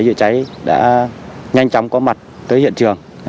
dự trái đã nhanh chóng có mặt tới hiện trường